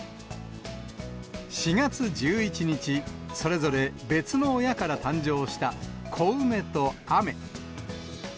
４月１１日、それぞれ別の親から誕生したこうめとあめ。